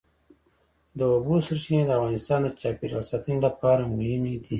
د اوبو سرچینې د افغانستان د چاپیریال ساتنې لپاره مهم دي.